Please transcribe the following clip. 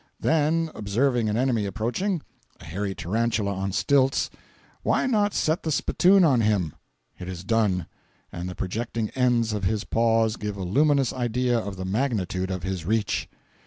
Then, observing an enemy approaching,—a hairy tarantula on stilts—why not set the spittoon on him? It is done, and the projecting ends of his paws give a luminous idea of the magnitude of his reach.